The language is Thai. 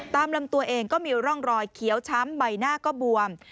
ตามลำตัวเองก็มีร่องรอยเขียวช้ำใบหน้าก็บวม